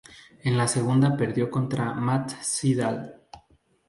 En la segunda perdió contra Matt Sydal.